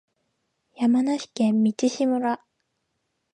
山梨県道志村